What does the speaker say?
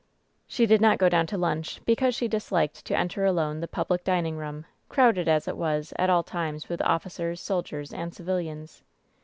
She did not go down to lunch because she disliked to enter alone the public dining room, crowded as it was at all times with officers, soldiers and civilians.